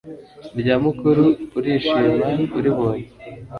irya mukuru urishima uribonye